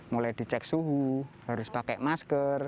mulai dicek suhu harus pakai masker terus nanti di visitor center situ